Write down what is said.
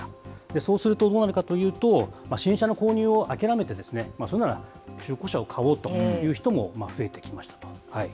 そうするとどうなるかというと、新車の購入を諦めて、それなら中古車を買おうという人も増えてきましたと。